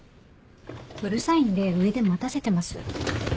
うるさいんで上で待たせてます。